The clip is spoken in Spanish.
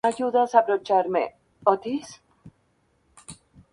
En caso contrario, el vizconde Geraldo devolvería el dinero obtenido a cambio de Urgel.